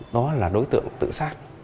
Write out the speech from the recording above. đó là đối tượng tự sát